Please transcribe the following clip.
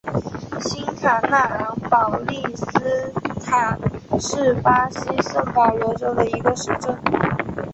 新卡纳昂保利斯塔是巴西圣保罗州的一个市镇。